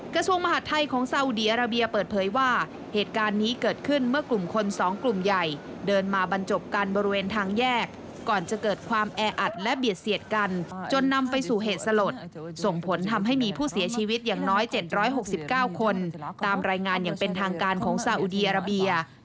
กระทรวงมหาดไทยของซาอุดีอาราเบียเปิดเผยว่าเหตุการณ์นี้เกิดขึ้นเมื่อกลุ่มคน๒กลุ่มใหญ่เดินมาบรรจบกันบริเวณทางแยกก่อนจะเกิดความแออัดและเบียดเสียดกันจนนำไปสู่เหตุสลดส่งผลทำให้มีผู้เสียชีวิตอย่างน้อย๗๖๙คนตามรายงานอย่างเป็นทางการของซาอุดีอาราเบีย